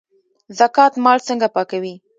زکات مال څنګه پاکوي؟